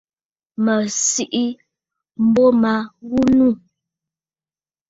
Mə̀ sìʼî m̀bô ma ghu nû.